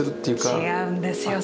違うんですよ。